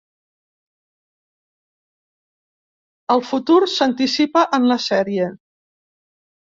El futur s'anticipa en la sèrie.